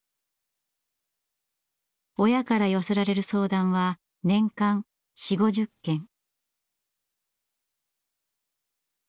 親から寄せられる相談は年間４０５０件。